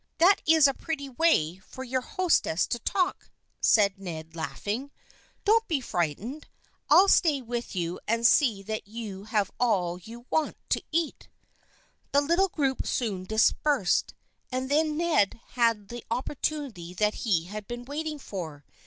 " That is a pretty way for your hostess to talk," said Ned, laughing. " Don't be frightened. I'll stay with you and see that you have all you want to eat." The little group soon dispersed, and then Ned had the opportunity that he had been waiting for.